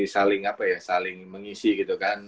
saling apa ya saling mengisi gitu kan